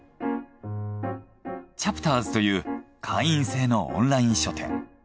チャプターズという会員制のオンライン書店。